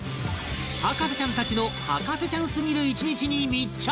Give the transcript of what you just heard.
博士ちゃんたちの博士ちゃんすぎる１日に密着